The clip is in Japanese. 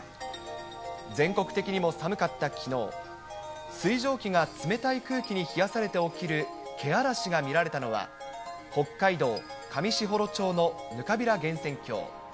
全国的にも寒かったきのう、水蒸気が冷たい空気に冷やされて起きるけあらしが見られたのは、北海道上士幌町のぬかびら源泉郷。